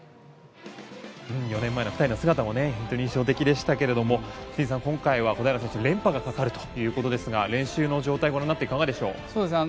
４年前の２人の姿も本当に印象的でしたが清水さん、今回は小平選手が連覇がかかるということですが練習の状態ご覧になっていかがでしょう。